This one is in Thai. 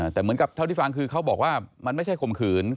แต่เหมือนกับเท่าที่ฟังคือเขาบอกว่ามันไม่ใช่ข่มขืน